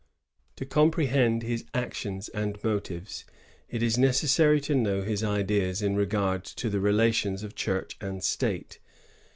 To comprehend his actions and motives, it is neces sary to know his ideas in regard to the relations of Church and State.